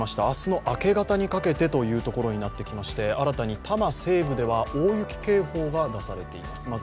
明日の明け方にかけてというところになってきまして新たに多摩西部では大雪警報が出されています。